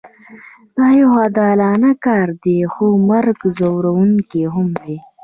دا یو عادلانه کار دی خو مرګ ځورونکی هم دی